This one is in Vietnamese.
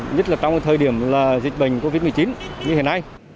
nhất là trong thời điểm dịch bệnh covid một mươi chín như hiện nay